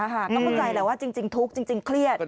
ก็เข้าใจแหละว่าจริงทุกข์จริงเครียด